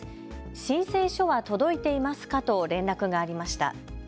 申請書は届いていますかと連絡がありました。